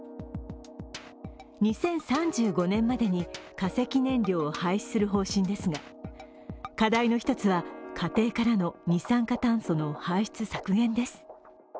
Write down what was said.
２０３５年までに化石燃料を廃止する方針ですが課題の１つは、家庭からの二酸化炭素の排出削減です。